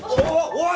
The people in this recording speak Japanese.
おい！